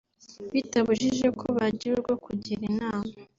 Bitabujijeko bagira urwo kugira inama